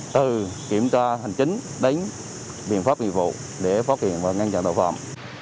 từ kiểm tra hành chính đến biện pháp nghiệp vụ để phát hiện và ngăn chặn tội phạm